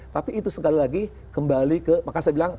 tapi itu sekali lagi kembali ke maka saya bilang